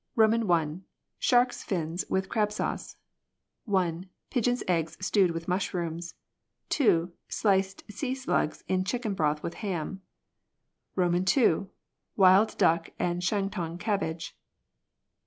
I. Sharks' fins witli crab sauce. 1. Pigeons' eggs stewed with mushrooms. 2. Sliced sea slugs in chicken broth with ham. II. Wild duck and Shantung cabbage.